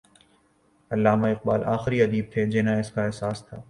علامہ اقبال آخری ادیب تھے جنہیں اس کا احساس تھا۔